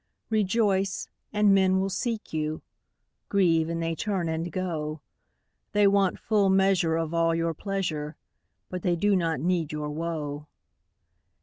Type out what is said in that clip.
Rejoice, and men will seek you; Grieve, and they turn and go; They want full measure of all your pleasure, But they do not need your woe.